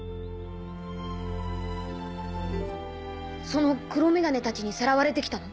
その黒メガネたちにさらわれて来たの？